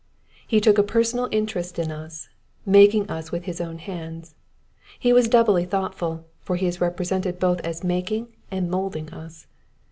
He took a personal interest in us, making us with his own hands ; he was doubly thoughtful, for he is represented both as making and moulding us.